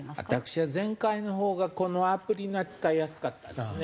私は前回のほうがこのアプリが使いやすかったですね。